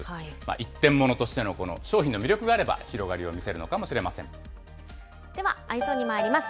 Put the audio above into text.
一点ものとしてのこの商品の魅力があれば、広がりを見せるのではＥｙｅｓｏｎにまいります。